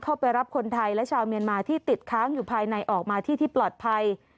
เข้าไปรับคนไทยและชาวเมียนมาที่ติดค้างอยู่ภายในออกมาที่ที่ปลอดภัย